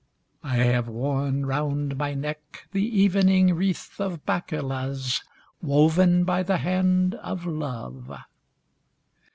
I have worn round my neck the evening wreath of bakulas woven by the hand of love.